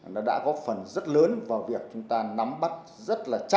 nó đã có phần rất lớn vào việc chúng ta nắm bắt rất là chắc